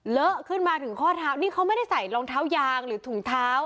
เลอะขึ้นมาถึงข้อเท้านี่เขาไม่ได้ใส่รองเท้ายางหรือถุงเท้า